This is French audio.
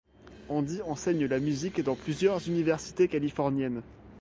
Handy enseigne la musique dans plusieurs universités californiennes.